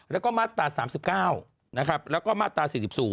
แล้วก็มาตรา๓๙แล้วก็มาตรา๔๐